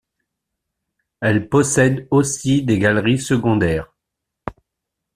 Elle possède aussi des galeries secondaires.